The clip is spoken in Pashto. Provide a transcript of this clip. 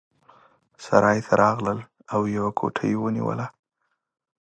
سرای ته راغلل او یوه کوټه یې ونیوله.